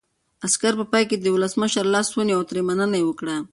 عسکر په پای کې د ولسمشر لاس ونیو او ترې مننه یې وکړه.